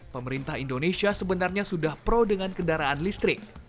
pemerintah indonesia sebenarnya sudah pro dengan kendaraan listrik